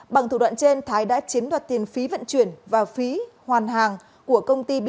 bằng thủ đoạn trên thái đã chiếm đoạt tiền phí vận chuyển và phí hoàn hàng của công ty bea